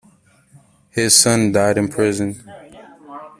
His son died in prison.